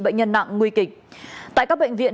bệnh nhân nặng nguy kịch tại các bệnh viện